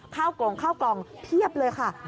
กรงข้าวกล่องเพียบเลยค่ะ